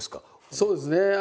そうですね。